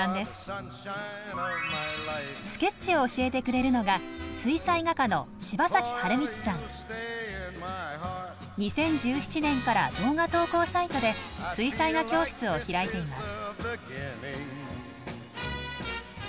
スケッチを教えてくれるのが２０１７年から動画投稿サイトで水彩画教室を開いています。